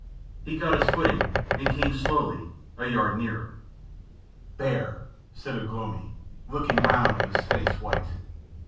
He got his footing, and came down slowly, a yard nearer. "Bear," said Ugh lomi, looking round with his face white.